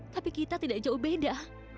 tapi kita tidak jauh beda